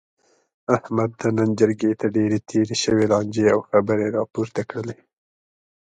احمد د نن جرګې ته ډېرې تېرې شوې لانجې او خبرې را پورته کړلې.